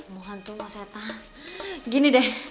mau hantu mau setan